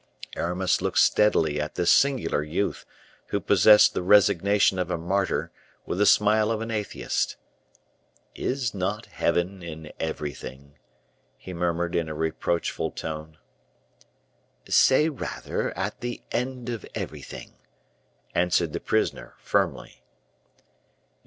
Aramis looked steadily at this singular youth, who possessed the resignation of a martyr with the smile of an atheist. "Is not Heaven in everything?" he murmured in a reproachful tone. "Say rather, at the end of everything," answered the prisoner, firmly.